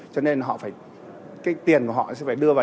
cho nên tiền của họ sẽ phải đưa vào